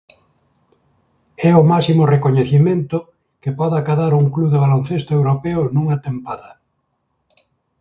É o máximo recoñecemento que pode acadar un club de baloncesto europeo nunha tempada.